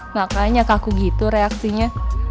makanya kaku gitu reaksinya